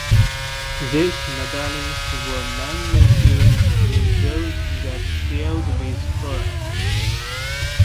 These medallions were mainly given to those that sailed with Bern.